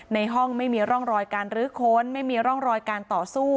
ในห้องไม่มีร่องรอยการรื้อค้นไม่มีร่องรอยการต่อสู้